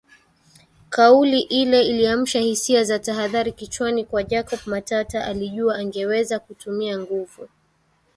Kauli ile iliamsha hisia za tahadhari kichwani kwa jacob Matata alijua angeweza kutumia nguvu